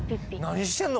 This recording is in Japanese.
何してんの？